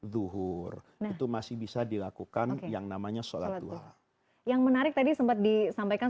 zuhur itu masih bisa dilakukan yang namanya sholat duha yang menarik tadi sempat disampaikan